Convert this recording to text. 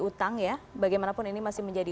utang ya bagaimanapun ini masih menjadi